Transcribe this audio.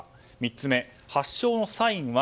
３つ目、発症のサインは？